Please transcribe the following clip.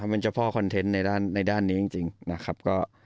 เป็นเจ้าพ่อคอนเทนต์ในด้านนี้จริงนะครับ